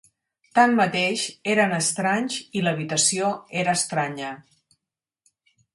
Tanmateix eren estranys i l'habitació era estranya.